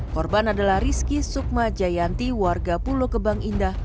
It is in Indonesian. korban adalah rizki sukma jayanti warga pulau kebang indah